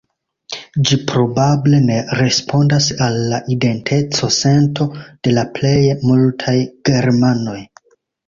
Ĝi probable ne respondas al la identeco-sento de la plej multaj germanoj.